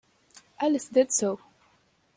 Alice did so.